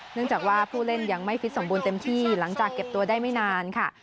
เนื่องจากว่าผู้เล่นยังไม่ฟิตสมบูรณ์เต็มที่หลังจากเก็บตัวได้ไม่นานค่ะ